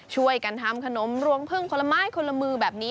ช่วยกันทำขนมรวงพึ่งคนละไม้คนละมือแบบนี้